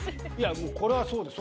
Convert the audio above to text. これはそうですよ。